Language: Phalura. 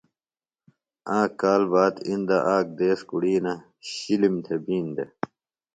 آک کال باد اِندہ آک دِیس کُڑِینہ شِلِم تھےۡ بِین دےۡ